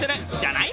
ない